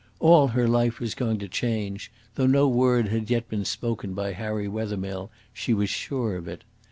All her life was going to change; though no word had yet been spoken by Harry Wethermill, she was sure of it.